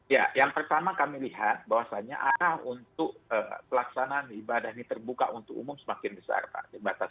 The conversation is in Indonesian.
ya yang pertama kami lihat bahwasannya arah untuk pelaksanaan ibadah ini terbuka untuk umum semakin besar pak